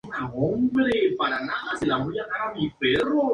La lista se actualiza en el documento de referencia de la red.